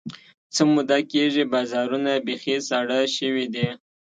څه موده کېږي، بازارونه بیخي ساړه شوي دي.